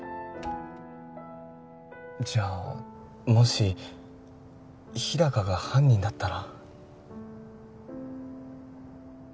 じゃあもし日高が犯人だったら？